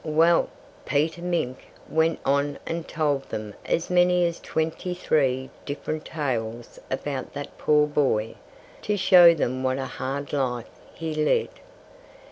Well, Peter Mink went on and told them as many as twenty three different tales about that poor boy, to show them what a hard life he led.